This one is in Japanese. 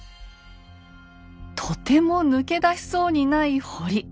とても抜け出せそうにない堀。